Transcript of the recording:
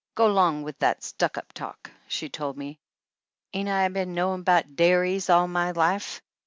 "Go 'long with that stuck up talk," she told me, "ain't I been knowin' about dairies all my life?